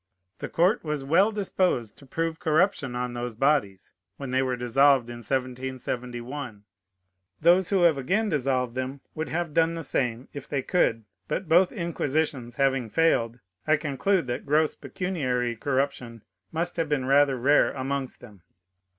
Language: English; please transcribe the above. The court was well disposed to prove corruption on those bodies, when they were dissolved in 1771; those who have again dissolved them would have done the same, if they could; but both inquisitions having failed, I conclude that gross pecuniary corruption must have been rather rare amongst them.